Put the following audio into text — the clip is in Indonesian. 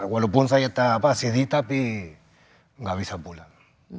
walaupun saya sedih tapi nggak bisa pulang